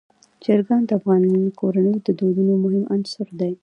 چرګان د افغان کورنیو د دودونو مهم عنصر دی.